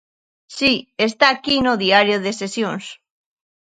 Si, está aquí no Diario de Sesións.